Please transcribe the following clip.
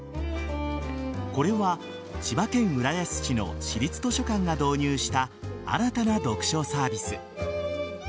これは千葉県浦安市の市立図書館が導入した新たな読書サービス。